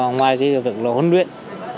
ngoài việc huấn luyện